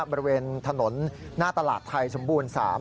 บริเวณถนนหน้าตลาดไทยสมบูรณ์๓